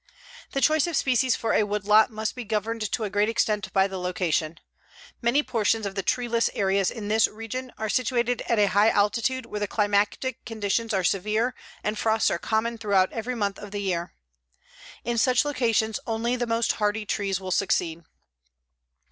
The choice of species for a woodlot must be governed to a great extent by the location. Many portions of the treeless areas in this region are situated at a high altitude where the climatic conditions are severe and frosts are common throughout every month of the year. In such locations only the most hardy trees will succeed.